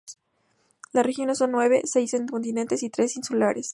Las regiones son nueve, seis en el continente y tres insulares.